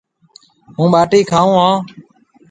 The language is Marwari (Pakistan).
هُون ٻاٽِي کاون هون۔